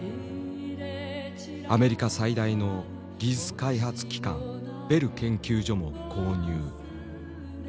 アメリカ最大の技術開発機関ベル研究所も購入。